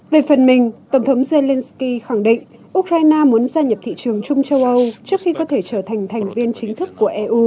về phần mình tổng thống zelensky khẳng định ukraine muốn gia nhập thị trường chung châu âu trước khi có thể trở thành thành viên chính thức của eu